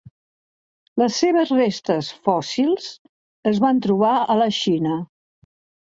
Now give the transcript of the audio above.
Les seves restes fòssils es van trobar a la Xina.